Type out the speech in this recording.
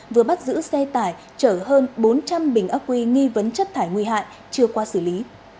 vừa bắt giữ xe tải chở hơn bốn trăm linh bình ấp quy nghi vấn chất thải nguy hại chưa qua xử lý